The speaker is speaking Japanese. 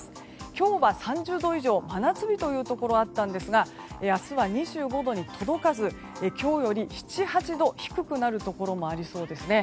今日は３０度以上、真夏日というところもあったんですが明日は２５度に届かず今日より７８度低くなるところもありそうですね。